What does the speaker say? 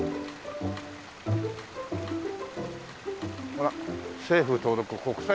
ほら「政府登録國際